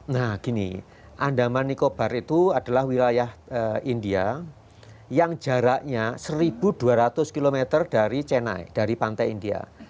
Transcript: nah gini andaman nicobar itu adalah wilayah india yang jaraknya satu dua ratus km dari chennai dari pantai india